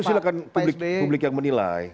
silahkan publik yang menilai